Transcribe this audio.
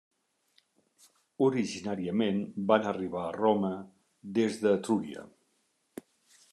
Originàriament van arribar a Roma des d'Etrúria.